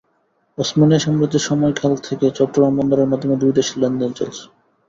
ওসমানিয়া সাম্রাজ্যের সময়কাল থেকে চট্টগ্রাম বন্দরের মাধ্যমে দুই দেশের লেনদেন চলছে।